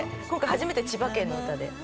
今回初めて千葉県の歌で。